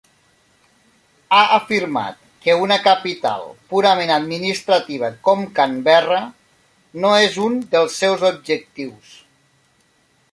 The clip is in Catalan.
Ha afirmat que una capital purament administrativa com Canberra no és un dels seus objectius.